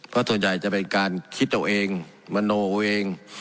เพราะส่วนใหญ่จะเป็นการคิดเอาเองมโนเอาเอง